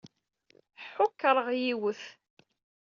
Ḥukṛeɣ yiwet.